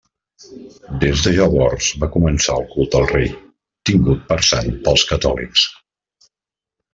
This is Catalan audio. Des de llavors va començar el culte al rei, tingut per sant pels catòlics.